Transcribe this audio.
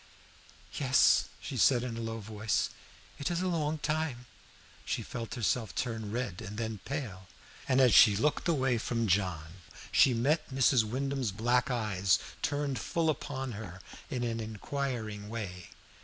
"Yes," she said in a low voice, "it is a long time." She felt herself turn red and then pale, and as she looked away from John she met Mrs. Wyndham's black eyes turned full upon her in an inquiring way.